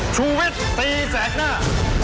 ชูวิทย์ตีแสกหน้า